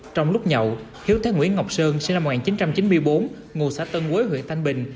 trong lúc nhậu hiếu thấy nguyễn ngọc sơn sinh năm một nghìn chín trăm chín mươi bốn ngụ xã tân quế huyện thanh bình